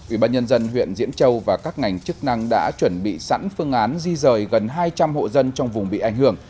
ubnd huyện diễn châu và các ngành chức năng đã chuẩn bị sẵn phương án di rời gần hai trăm linh hộ dân trong vùng bị ảnh hưởng